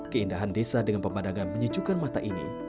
keindahan desa dengan pemandangan menyejukkan mata ini